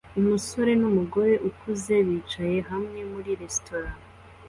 Umusore numugore ukuze bicaye hamwe muri resitora